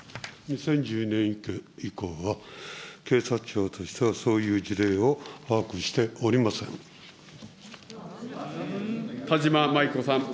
年以降は、警察庁としてはそういう事例を把握しておりませ田島麻衣子さん。